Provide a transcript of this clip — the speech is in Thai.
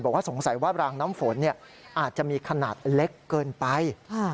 บอกว่าสงสัยว่ารางน้ำฝนอาจจะมีขนาดเล็กเกินไป